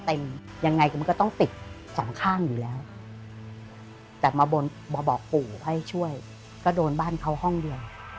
แต่มาบอกปู่ให้ช่วยก็โดนบ้านเขาห้องเดือน